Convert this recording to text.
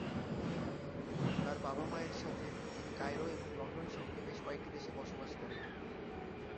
তার বাবা-মায়ের সাথে, তিনি কায়রো এবং লন্ডন সহ বেশ কয়েকটি দেশে বসবাস করেন।